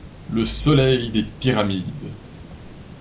Le soleil des Pyramides!